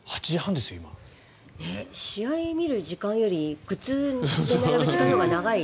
試合を見る時間よりグッズに並ぶ時間のほうが長い。